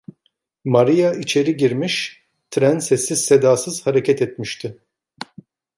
Maria içeri girmiş, tren sessiz sedasız hareket etmişti.